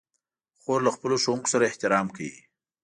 خور له خپلو ښوونکو سره احترام کوي.